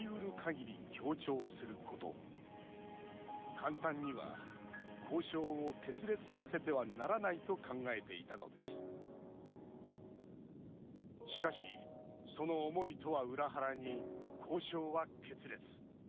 簡単には交渉を決裂させてはならないと考えていたのですしかしその思いとは裏腹に交渉は決裂。